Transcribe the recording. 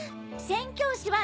宣教師は。